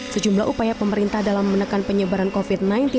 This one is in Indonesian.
sejumlah upaya pemerintah dalam menekan penyebaran covid sembilan belas